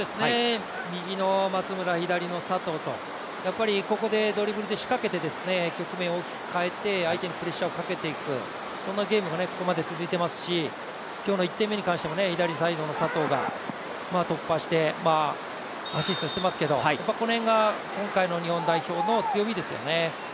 右の松村、左の佐藤とここでドリブルで仕掛けて局面を大きく変えて、相手にプレッシャーをかけていく、そんなゲームがここまで続いていますが、今日の１点目に関しても左サイドの佐藤が突破してアシストしていますけどこの辺が今回の日本代表の強みですよね。